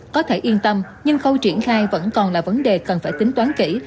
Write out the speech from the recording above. có thể yên tâm nhưng khâu triển khai vẫn còn là vấn đề cần phải tính toán kỹ